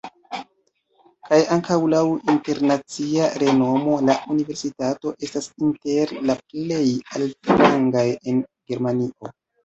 Kaj ankaŭ laŭ internacia renomo la universitato estas inter la plej altrangaj en Germanio.